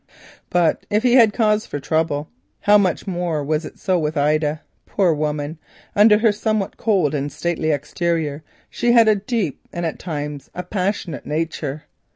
But if he had cause for trouble, how much more was it so with Ida? Poor woman! under her somewhat cold and stately exterior lay a deep and at times a passionate nature.